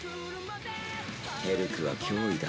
ヘルクは驚異だ。